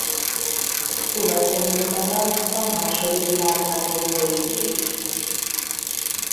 Tulajdonuk maradt a második világháború végéig.